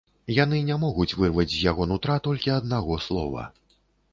Яны не могуць вырваць з яго нутра толькі аднаго слова.